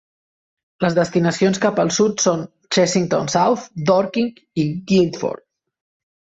Les destinacions cap al sud son Chessington South, Dorking i Guildford.